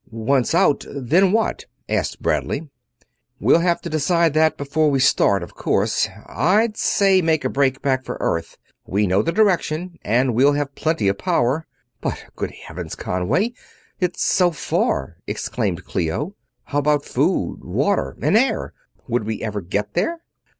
"Once out, then what?" asked Bradley. "We'll have to decide that before we start, of course. I'd say make a break back for Earth. We know the direction and we'll have plenty of power." "But good Heavens, Conway, it's so far!" exclaimed Clio. "How about food, water, and air would we ever get there?"